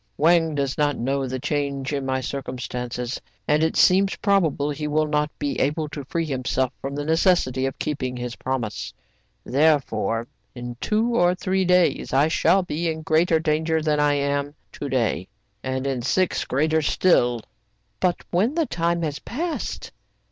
Wang does not know the change in my cir cumstances, and it seems probable he will not be able to free himself from the necessity of keep ing his promise. Therefore, in two or three days, I shall be in greater danger than I am to day, and in six greater still." THE CELEBRATED LAMENT 1 39 But when the time has passed